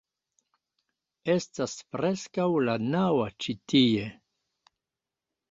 Estas preskaŭ la naŭa ĉi tie